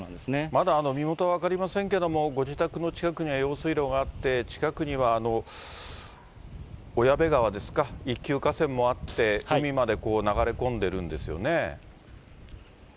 まだ身元分かりませんけれども、ご自宅の近くには用水路があって、近くには小矢部川ですか、一級河川もあって、そうなんです。